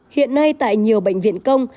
hiện nay tại nhiều bệnh viện công